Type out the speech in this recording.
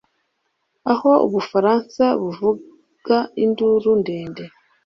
aho ubufaransa, buvuga induru ndende